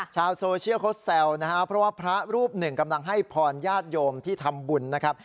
ชาวโซเชียลเขาแซวนะครับเพราะว่าพระรูปหนึ่งกำลังให้พรญาติโยมที่ทำบุญนะครับ